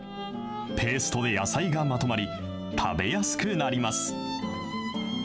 ペーストで野菜がまとまり、食べやすくなります。